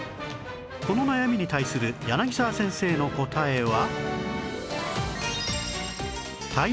この悩みに対する柳沢先生の答えは？